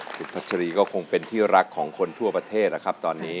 คุณพัชรีก็คงเป็นที่รักของคนทั่วประเทศนะครับตอนนี้